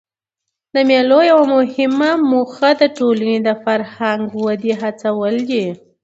د مېلو یوه مهمه موخه د ټولني د فرهنګي ودي هڅول دي.